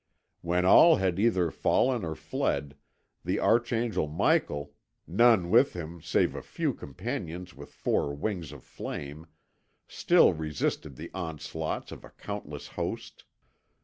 When all had either fallen or fled, the Archangel Michael, none with him save a few companions with four wings of flame, still resisted the onslaughts of a countless host.